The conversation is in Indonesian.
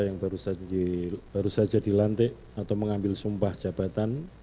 yang baru saja dilantik atau mengambil sumpah jabatan